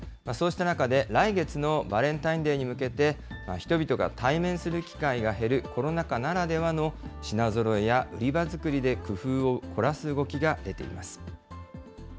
そうした中で、来月のバレンタインデーに向けて、人々が対面する機会が減るコロナ禍ならではの品ぞろえや売り場作りで工夫を凝らす動きが出ています。